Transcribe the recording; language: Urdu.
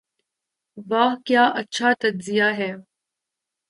'' واہ کیا اچھا تجزیہ ہے۔